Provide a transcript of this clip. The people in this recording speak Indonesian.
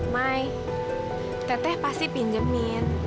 mai teteh pasti pinjemin